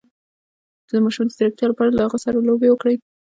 د ماشوم د ځیرکتیا لپاره له هغه سره لوبې وکړئ